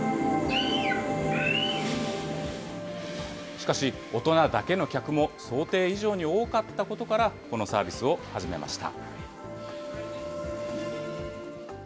しかし大人だけの客も想定以上に多かったことから、このサービスを始めました。